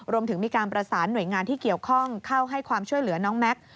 รวมถึงมีการประสานหน่วยงานที่เกี่ยวข้องเข้าให้ความช่วยเหลือน้องแม็กซ์